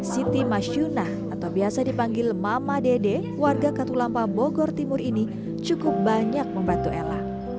siti masyunah atau biasa dipanggil mama dede warga katulampa bogor timur ini cukup banyak membantu ella